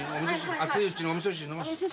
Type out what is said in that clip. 熱いうちにお味噌汁飲ませて。